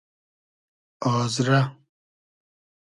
آزرۂ